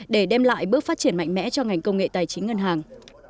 để đem lại bước phát triển mạnh mẽ cho ngành công nghệ tài chính ngân hàng